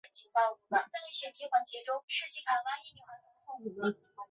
他们多数是从其他加勒比地区如马提尼克和瓜德罗普来到。